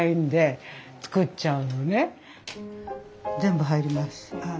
全部入ります。